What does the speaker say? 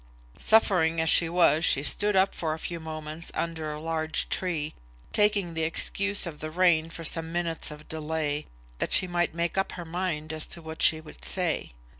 Suffering as she was she stood up for a few moments under a large tree, taking the excuse of the rain for some minutes of delay, that she might make up her mind as to what she would say.